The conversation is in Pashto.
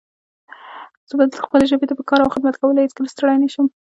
زه به خپلې ژبې ته په کار او خدمت کولو هيڅکله ستړی نه شم